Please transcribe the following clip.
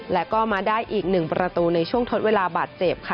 แล้วก็มาได้อีก๑ประตูในช่วงทดเวลาบาดเจ็บค่ะ